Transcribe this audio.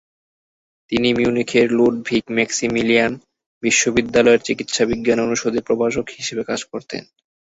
তিনি মিউনিখের লুডভিগ-মাক্সিমিলিয়ান বিশ্ববিদ্যালয়ের চিকিৎসাবিজ্ঞান অনুষদে প্রভাষক হিসেবে কাজ করতেন।